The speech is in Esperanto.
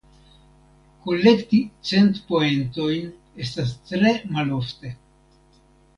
Kolekti cent poentojn estas tre malofte.